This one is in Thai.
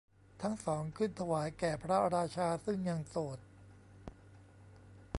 ทั้งสองขึ้นถวายแก่พระราชาซึ่งยังโสด